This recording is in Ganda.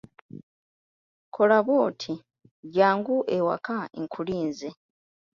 Kola bw'oti, jjangu ewaka nkulinze.